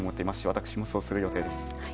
私もそうするつもりです。